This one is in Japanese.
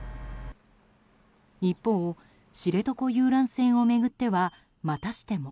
一方、知床遊覧船を巡ってはまたしても。